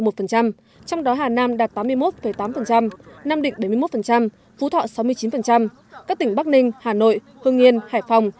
trong đó hà nam đạt tám mươi một tám nam định bảy mươi một phú thọ sáu mươi chín các tỉnh bắc ninh hà nội hương nhiên hải phòng